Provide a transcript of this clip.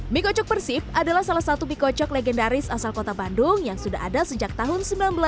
mie kocok persib adalah salah satu mie kocok legendaris asal kota bandung yang sudah ada sejak tahun seribu sembilan ratus sembilan puluh